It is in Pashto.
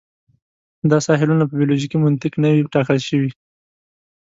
دا ساحلونه په بیولوژیکي منطق نه وې ټاکل شوي.